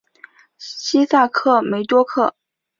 西萨克梅多克。